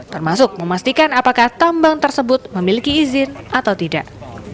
termasuk memastikan apakah tambang tersebut memiliki izin atau tidak